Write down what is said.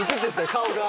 顔が。